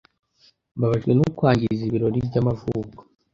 Mbabajwe no kwangiza ibirori byamavuko.